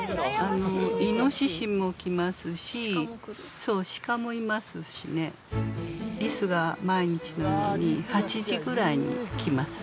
イノシシも来ますし鹿も来るそう鹿もいますしねリスが毎日のように８時ぐらいに来ます